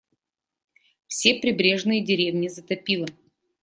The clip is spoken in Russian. Все прибрежные деревни затопило.